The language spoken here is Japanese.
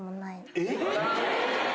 えっ。